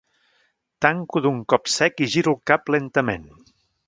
Tanco d'un cop sec i giro el cap lentament.